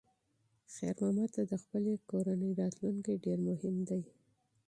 خیر محمد ته د خپلې کورنۍ راتلونکی ډېر مهم دی.